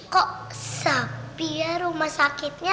kok sapi ya rumah sakitnya